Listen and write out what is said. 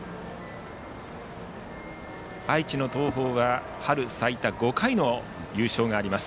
愛知の東邦は春最多５回の優勝があります。